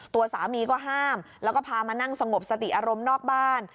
ตัวสามีก็ห้ามแล้วก็พามานั่งสงบสติอารมณ์นอกบ้าน